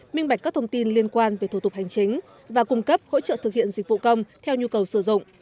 minh bạch các thông tin liên quan về thủ tục hành chính và cung cấp hỗ trợ thực hiện dịch vụ công theo nhu cầu sử dụng